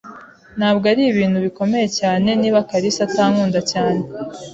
Ntabwo ari ibintu bikomeye cyane niba kalisa atankunda cyane.